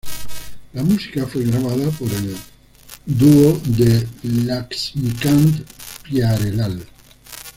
La música fue grabada por el dúo de Laxmikant-Pyarelal.